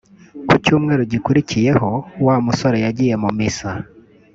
Ku cyumweru gikurikiyeho wa musore yagiye mu misa